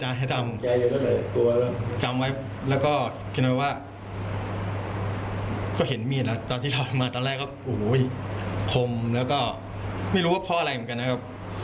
อันนี้มีเรื่องที่คือรู้สึกเจ็บหรือรู้สึกอะไร